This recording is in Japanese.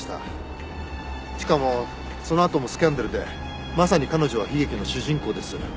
しかもそのあともスキャンダルでまさに彼女は悲劇の主人公です。